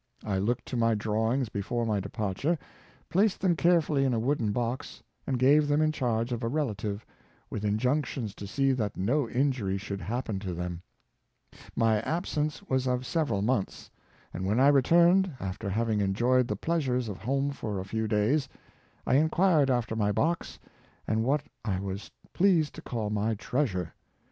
I looked to my drawings before my departure, placed them carefully in a wooden box, and gave them in charge of a relative, with injunctions to see that no injury should happen to them. My absence was of several months, and when I returned, after having enjoyed the pleasures of home for a few da3^s, I inquired after my box, and what I was pleased to call my treasure.